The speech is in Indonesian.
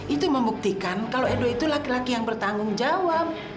itu membuktikan kalau edo itu laki laki yang bertanggung jawab